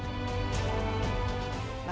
dan menjaga keamanan